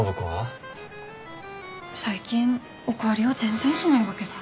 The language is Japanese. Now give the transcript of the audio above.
最近お代わりを全然しないわけさ。